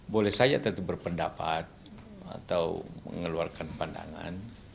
boleh saja tetap berpendapat atau mengeluarkan pandangan